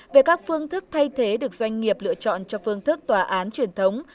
về các phương thức thay thế được doanh nghiệp lựa chọn cho phương thức tòa án truyền thống